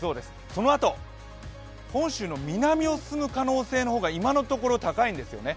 そのあと、本州の南を進む可能性の方が今のところ高いんですね。